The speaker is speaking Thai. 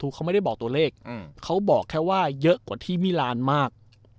คือเขาไม่ได้บอกตัวเลขเขาบอกแค่ว่าเยอะกว่าที่มิลานมาก